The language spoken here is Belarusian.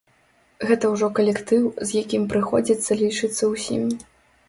Гэта ўжо калектыў, з якім прыходзіцца лічыцца ўсім.